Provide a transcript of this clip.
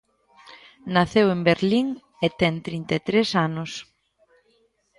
Naceu en Berlín e ten trinta e tres anos.